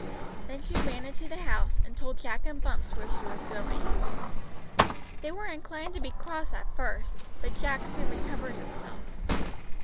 Then she ran into the house, and told Jack and Bumps where she was going. They were inclined to be cross at first, but Jack soon recovered himself.